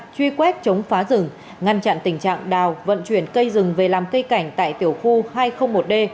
truy quét chống phá rừng ngăn chặn tình trạng đào vận chuyển cây rừng về làm cây cảnh tại tiểu khu hai trăm linh một d